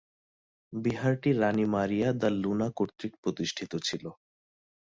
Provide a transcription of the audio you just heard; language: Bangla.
বিহারটি রাণী মারিয়া দ্য লুনা কর্তৃক প্রতিষ্ঠিত ছিল।